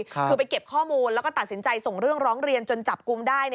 คือไปเก็บข้อมูลแล้วก็ตัดสินใจส่งเรื่องร้องเรียนจนจับกลุ่มได้